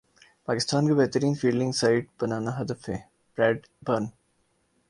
پاکستان کو بہترین fielding side بنانا ہدف ہے بریڈ برن